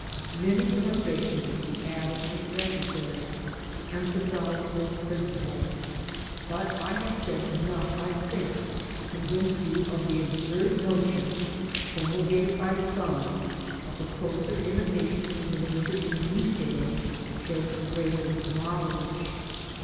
* Many illustrations could be added, if necessary, to emphasise this principle, but I have said enough I think to convince you of the absurd notion, promulgated by some, t hat t he closer imitation of Nature in detail shows e^reater knowledere.